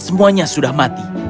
semuanya sudah mati